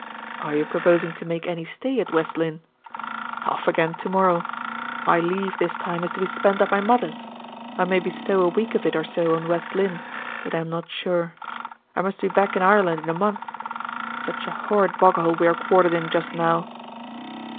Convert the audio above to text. "Are you proposing to make any stay at West Lynne?" "Off again to morrow. My leave, this time, is to be spent at my mother's. I may bestow a week of it or so on West Lynne, but am not sure. I must be back in Ireland in a month. Such a horrid boghole we are quartered in just now!"